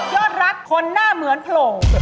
น้านศพยอดรักคนหน้าเหมือนผลง